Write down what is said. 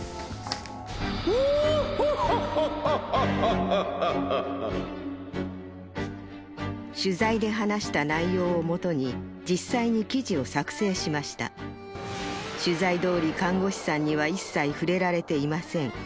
オーッホッホッホッホッ取材で話した内容をもとに実際に記事を作成しました取材どおり看護師さんには一切触れられていません